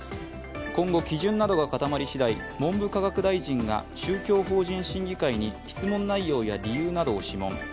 今後、基準などが固まり次第、文部科学大臣が宗教法人審議会に質問内容や理由などを諮問。